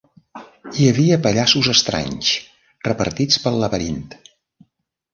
Hi havia pallassos estranys repartits pel laberint.